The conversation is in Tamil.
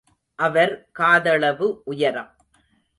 அவர் காதளவு உயரம்.